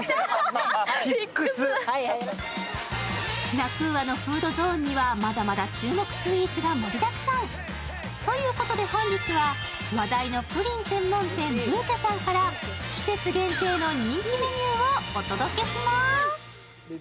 ＬａＱｕａのフードゾーンにはまだまだ注目スイーツが盛りだくさん。ということで本日は話題のプリン専門店ｖｕｋｅさんから季節限定の人気メニューをお届けします。